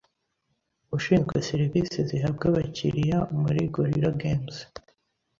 ushinzwe Serivisi zihabwa abakiliya muri Gorilla Games.